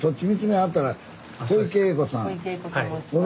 小池栄子と申します。